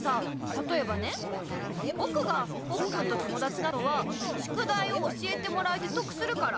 たとえばねぼくがポッくんと友だちなのはしゅくだいを教えてもらえて得するから。